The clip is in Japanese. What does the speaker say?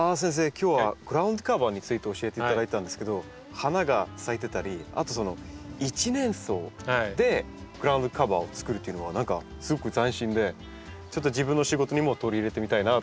今日はグラウンドカバーについて教えていただいたんですけど花が咲いてたりあと一年草でグラウンドカバーを作るっていうのは何かすごく斬新でちょっと自分の仕事にも取り入れてみたいなと思います。